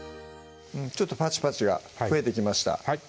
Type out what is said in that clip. ちょっとパチパチが増えてきました